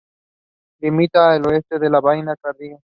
Limita al oeste con la Bahía de Cardigan.